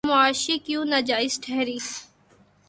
تو معاشی کیوں ناجائز ٹھہری؟